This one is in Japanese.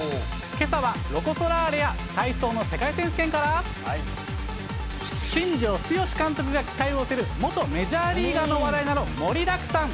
けさはロコ・ソラーレや体操の世界選手権から、新庄剛志監督が期待を寄せる、元メジャーリーガーの話題など、盛りだくさん。